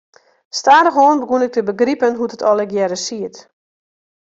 Stadichoan begûn ik te begripen hoe't it allegearre siet.